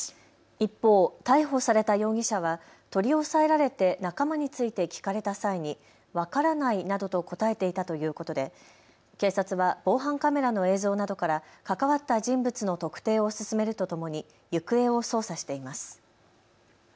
一方、逮捕された容疑者は取り押さえられて仲間について聞かれた際に、分からないなどと答えていたということで警察は防犯カメラの映像などから関わった人物の特定を進めるとともに行方を捜査しています。